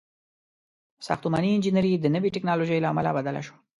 • ساختماني انجینري د نوې ټیکنالوژۍ له امله بدله شوه.